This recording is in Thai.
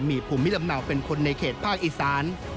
มีภูมิลำเนาเป็นคนในเขตภาคอีสาน